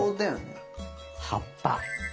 葉っぱ。